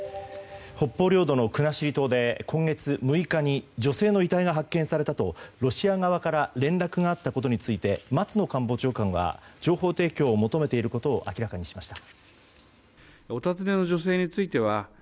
北方領土の国後島で今月６日に女性の遺体が発見されたとロシア側から連絡があったことについて松野官房長官は情報提供を求めていることを明らかにしました。